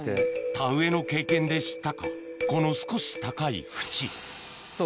田植えの経験で知ったかこの少し高い縁そう